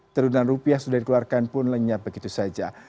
triliunan rupiah sudah dikeluarkan pun lenyap begitu saja